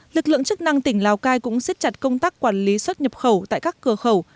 lực lượng chức năng tỉnh lào cai cũng siết chặt công tác quản lý xuất nhập khẩu tại các cửa khẩu